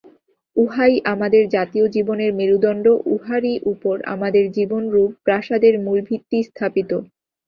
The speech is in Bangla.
উহাই আমাদের জাতীয় জীবনের মেরুদণ্ড, উহারই উপর আমাদের জীবনরূপ প্রাসাদের মূলভিত্তি স্থাপিত।